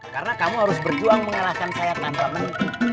karena kamu harus berjuang mengalahkan saya tanpa menti